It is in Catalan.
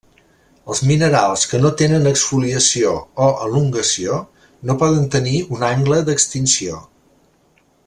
Els minerals que no tenen exfoliació o elongació no poden tenir un angle d'extinció.